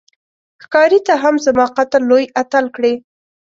ښکاري ته هم زما قتل لوی اتل کړې